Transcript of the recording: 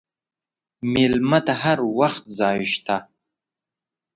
مېلمه ته هر وخت ځای شته.